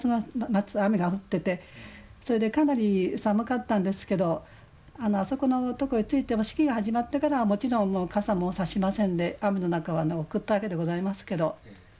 夏雨が降っててそれでかなり寒かったんですけどあそこのとこへ着いても式が始まってからはもちろん傘もさしませんで雨の中を送ったわけでございますけど。